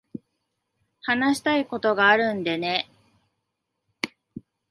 話したいことがあるんでね。